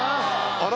・・あら？